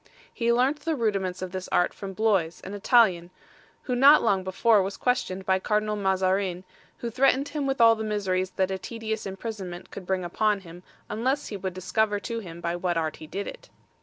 He learnt the rudiments of this art from Bloise, an Italian, who not long before was questioned by Cardinal Mazarin, who threatened him with all the miseries that a tedious imprisonment could bring upon him, unless he would discover to him by what art he did it.